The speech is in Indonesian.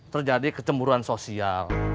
terjadi kecemburuan sosial